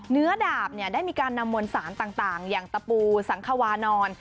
ดาบได้มีการนำมวลสารต่างอย่างตะปูสังควานอน